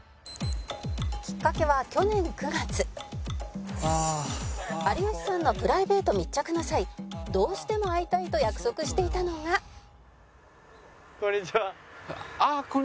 「きっかけは去年９月」「有吉さんのプライベート密着の際どうしても会いたいと約束していたのが」こんにちは。ああこんにちは。